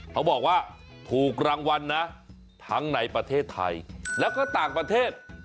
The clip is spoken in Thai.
เขาบอกว่าถูกรางวัลนะทั้งในประเทศไทยแล้วก็ต่างประเทศ